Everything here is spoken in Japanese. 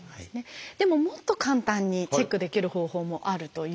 でももっと簡単にチェックできる方法もあるということなんですよね。